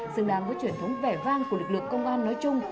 xứng đáng với truyền thống vẻ vang của lực lượng công an nói chung